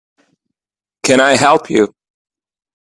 Can I help you?